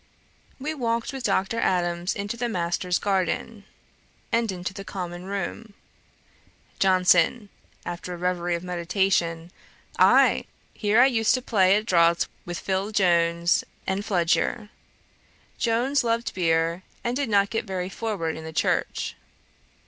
We walked with Dr. Adams into the master's garden, and into the common room. JOHNSON, (after a reverie of meditation,) 'Ay! Here I used to play at draughts with Phil. Jones and Fludyer. Jones loved beer, and did not get very forward in the church.